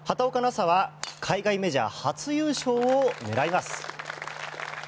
紗は海外メジャー初優勝を狙います。